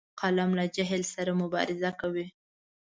قلم له جهل سره مبارزه کوي